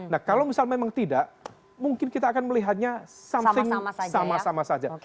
nah kalau misal memang tidak mungkin kita akan melihatnya something sama sama saja